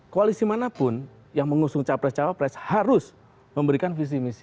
koalisi manapun yang mengusung capres cawapres harus memberikan visi misi